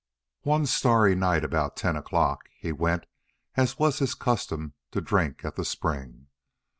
........... One starry night, about ten o'clock, he went, as was his custom, to drink at the spring.